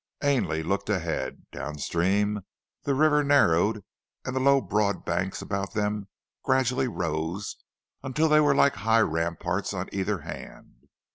Ainley looked ahead. Downstream the river narrowed and the low broad banks about them gradually rose, until they were like high ramparts on either hand.